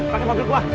pake mobil gua